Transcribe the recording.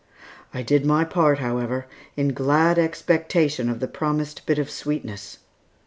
I did my part, however, in glad expectation of the promised bit of sweetness.